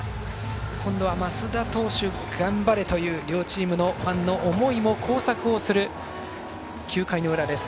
今度は増田投手頑張れという両チームのファンの思いが交錯をする９回の裏です。